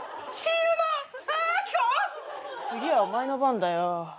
次はお前の番だよ。